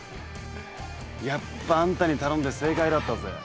やっぱあんたに頼んで正解だったぜ。